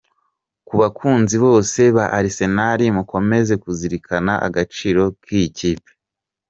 Ku bakunzi bose ba Arsenal, mukomeze kuzirikana agaciro k’iyi kipe.